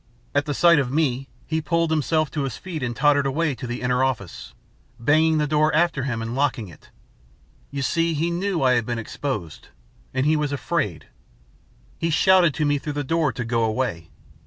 At the sight of me, he pulled himself to his feet and tottered away to the inner office, banging the door after him and locking it. You see, he knew I had been exposed, and he was afraid. He shouted to me through the door to go away.